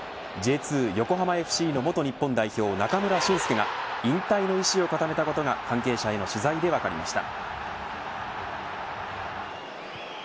Ｊ２横浜ＦＣの元日本代表、中村俊輔が引退の意思を固めたことが関係者への取材で分かりました。